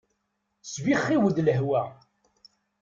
Tesbixxiw-d lehwa.